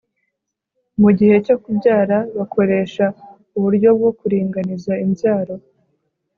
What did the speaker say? mu gihe cyo kubyara bakoresha uburyo bwo kuringaniza imbyaro